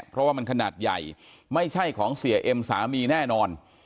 เพราะว่ามันขนาดใหญ่ไม่ใช่ของเสียเอ็มสามีแน่นอน